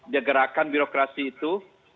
dia gerakan birokrasi itu